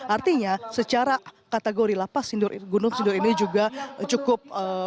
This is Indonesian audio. artinya secara kategori lapas gunung sindur ini juga cukup